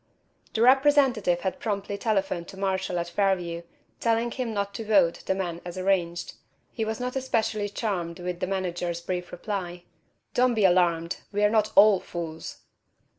The Representative had promptly telephoned to Marshall at Fairview telling him not to vote the men as arranged. He was not especially charmed with the manager's brief reply: "Don't be alarmed. We're not all fools!"